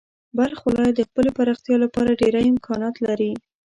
بلخ ولایت د خپلې پراختیا لپاره ډېری امکانات لري.